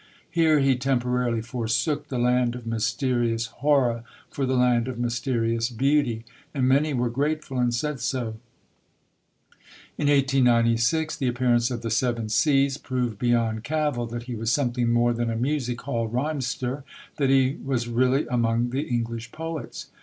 Here he temporarily forsook the land of mysterious horror for the land of mysterious beauty, and many were grateful, and said so. In 1896 the appearance of The Seven Seas proved beyond cavil that he was something more than a music hall rimester that he was really among the English poets.